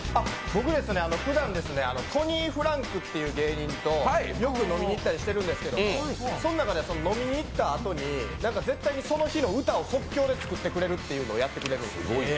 僕ですね、ふだん、トニーフランクという芸人とよく飲みに行ったりしてるんですけど、飲みに行ったあとに絶対にその日の歌を即興で作ってくれるってのをやってくれるんです。